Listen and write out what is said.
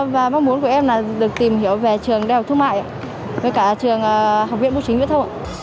và mong muốn của em là được tìm hiểu về trường đại học thương mại với cả trường học viện vũ chính viễn thông